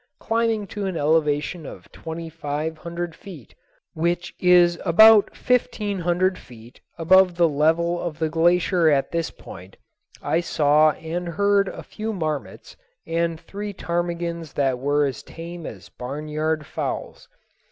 Climbing to an elevation of twenty five hundred feet, which is about fifteen hundred feet above the level of the glacier at this point, I saw and heard a few marmots, and three ptarmigans that were as tame as barnyard fowls.